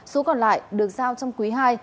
số còn lại được giao trong quý hai